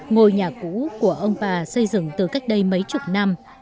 ngôi nhà cũ của ông bà xây dựng từ cách đây mấy chục năm